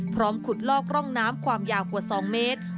ขุดลอกร่องน้ำความยาวกว่า๒เมตร